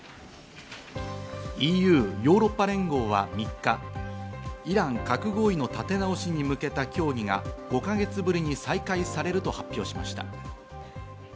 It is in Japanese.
ＥＵ＝ヨーロッパ連合は３日、イラン核合意の立て直しに向けた協議が５か月ぶりに再開されると発表しました。